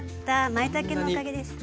まいたけのおかげです。